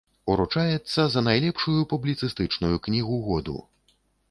Уручаецца за найлепшую публіцыстычную кнігу году.